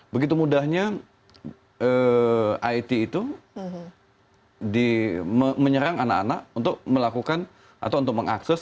begitu mudahnya it itu menyerang anak anak untuk melakukan atau untuk mengakses